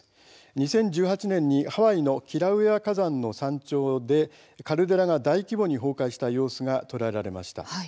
２０１８年にハワイのキラウエア火山の山頂でカルデラが大規模に崩壊した様子が捉えられています。